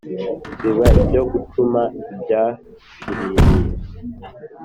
biba ibyo gucuma ibyashiririye